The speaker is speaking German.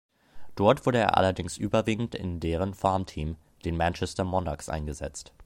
Dort wurde er allerdings überwiegend in deren Farmteam, den Manchester Monarchs, eingesetzt.